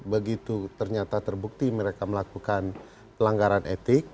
begitu ternyata terbukti mereka melakukan pelanggaran etik